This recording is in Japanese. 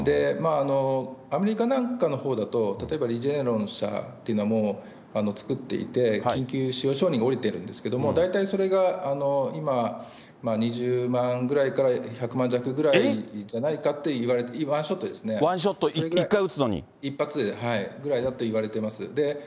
アメリカなんかのほうだと、例えば、リゼーロン社とかってもう作っていて、緊急使用承認が下りてるんですけれども、大体それが今、２０万ぐらいから１００万弱ぐらいじゃないかって言われてまして、１発で、ぐらいだといわれています。